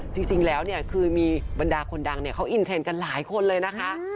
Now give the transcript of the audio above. จริงแล้วเนี่ยคือมีบรรดาคนดังเนี่ยเขาอินเทรนด์กันหลายคนเลยนะคะ